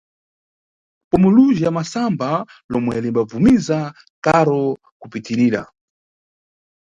Pomwe lujhu la masamba lomwe limbabvumiza karo kupitirira.